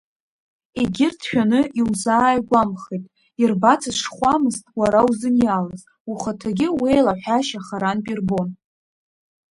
Егьырҭ шәаны изузааигәамхеит, ирбацыз шхәамызт уара узыниалаз, ухаҭагьы уеилаҳәашьа харантә ирбон.